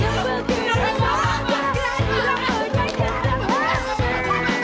ya ampun kok ada ya ustad ustad